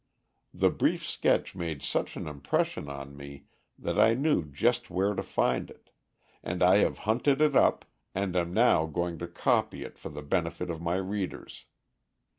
The brief sketch made such an impression on me that I knew just where to find it, and I have hunted it up, and am now going to copy it for the benefit of my readers.